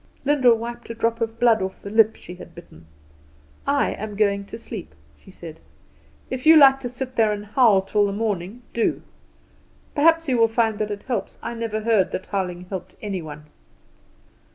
Lyndall wiped a drop of blood off the lip she had bitten. "I am going to sleep," she said. "If you like to sit there and howl till the morning, do. Perhaps you will find that it helps; I never heard that howling helped any one."